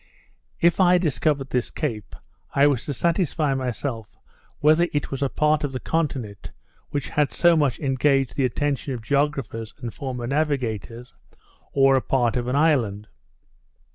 If I discovered this cape, I was to satisfy myself whether it was a part of the continent which had so much engaged the attention of geographers and former navigators, or a part of an island.